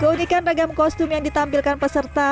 keunikan ragam kostum yang ditampilkan peserta